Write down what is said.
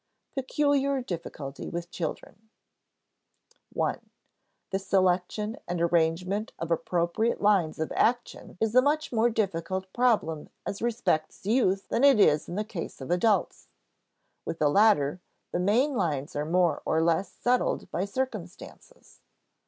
[Sidenote: Peculiar difficulty with children] (i) The selection and arrangement of appropriate lines of action is a much more difficult problem as respects youth than it is in the case of adults. With the latter, the main lines are more or less settled by circumstances.